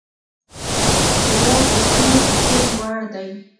هېواد د غرونو په څېر لوړ دی.